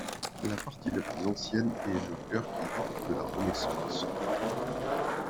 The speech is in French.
La partie la plus ancienne est le chœur qui date de la Renaissance.